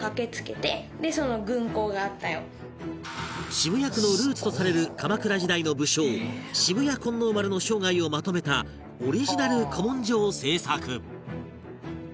渋谷区のルーツとされる鎌倉時代の武将渋谷金王丸の生涯をまとめたオリジナル古文書を制作